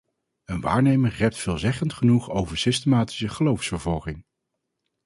Een waarnemer rept veelzeggend genoeg over systematische geloofsvervolging.